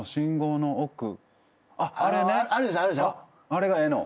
あれがええの？